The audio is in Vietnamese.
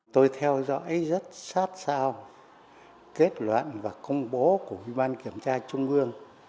tôi theo dõi rất sát sao kết luận và công bố của ủy ban kiểm tra trung ương